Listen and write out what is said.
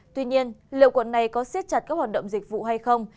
tuy nhiên liệu quận này có siết chặt các hoạt động dịch vụ hay không